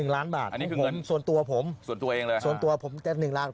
๑ล้านบาทส่วนตัวผมส่วนตัวผมจะ๑ล้าน